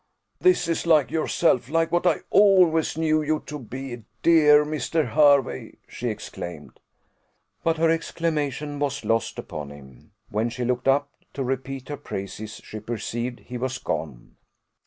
"This is like yourself; like what I always knew you to be, dear Mr. Hervey!" she exclaimed. But her exclamation was lost upon him. When she looked up, to repeat her praises, she perceived he was gone.